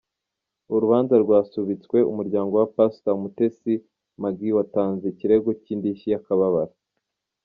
Urubanza rwasubitswe, umuryango wa Pastor Mutesi Maggie watanze ikirego cy’indishyi y’akababaro